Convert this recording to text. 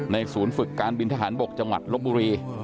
ในศูนย์ฝึกการบินทหารบกชลบบุรี